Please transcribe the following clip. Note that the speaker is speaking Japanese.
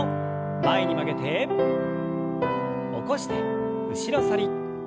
前に曲げて起こして後ろ反り。